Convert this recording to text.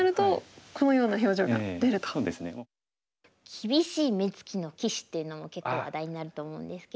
きびしい目つきの棋士っていうのも結構話題になると思うんですけど。